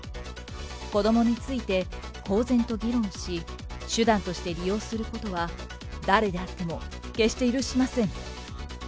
子どもについて公然と議論し、手段として利用することは誰であっても決して許しません。